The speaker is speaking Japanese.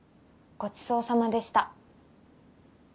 ごちそうさまでした。